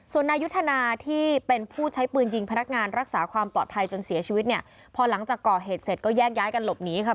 ส่วนนายุทธนาที่เป็นผู้ใช้ปืนยิงพนักงานรักษาความปลอดภัยจนเสียชีวิตเนี่ยพอหลังจากก่อเหตุเสร็จก็แยกย้ายกันหลบหนีค่ะ